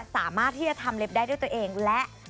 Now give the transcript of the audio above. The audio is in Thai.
สามารถที่จะทำเล็บได้ด้วยตัวเองและ